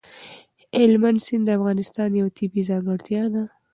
هلمند سیند د افغانستان یوه طبیعي ځانګړتیا ده.